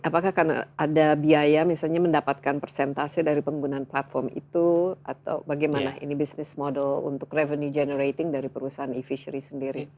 apakah karena ada biaya misalnya mendapatkan persentase dari penggunaan platform itu atau bagaimana ini business model untuk revenue generating dari perusahaan e fishery sendiri